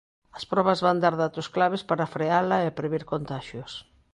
As probas van dar datos claves para freala e previr contaxios.